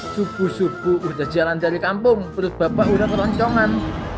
subuh subuh udah jalan dari kampung terus bapak udah keroncongan